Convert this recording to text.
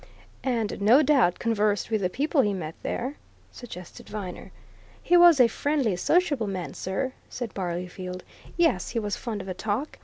"And no doubt conversed with the people he met there?" suggested Viner. "He was a friendly, sociable man, sir," said Barleyfield. "Yes, he was fond of a talk.